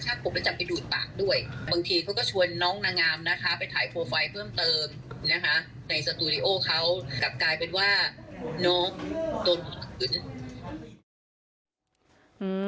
ในสตูริโอเขากลับกลายเป็นว่าน้องตนอื่น